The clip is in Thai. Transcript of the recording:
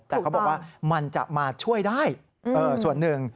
แต่เขาบอกว่ามันจะมาช่วยได้ส่วนหนึ่ง